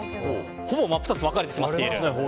ほぼ真っ二つに分かれてしまっている。